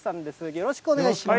よろしくお願いします。